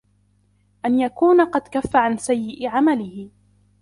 أَنْ يَكُونَ قَدْ كَفَّ عَنْ سَيِّئِ عَمَلِهِ